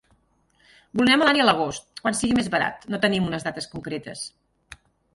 Volem anar-hi a l'agost, quan sigui més barat, no tenim unes dates concretes.